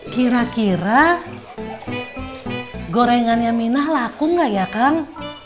kira kira gorengannya minah laku nggak ya kang